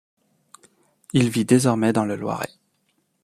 Il vit désormais dans le Loiret.